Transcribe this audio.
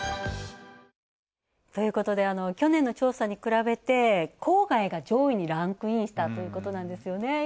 ということで、去年の調査に比べて郊外が上位にランクインしたということなんですよね。